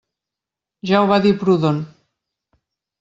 Ja ho va dir Proudhon.